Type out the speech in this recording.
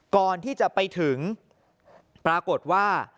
ก่อนที่จะไปถึงปรากฏว่า